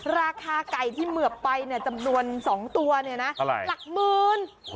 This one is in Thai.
ราคาไก่ที่เหมือบไปเนี่ยจำนวนสองตัวเนี่ยนะ